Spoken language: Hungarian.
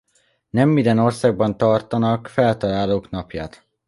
Nem minden országban tartanak feltalálók napját.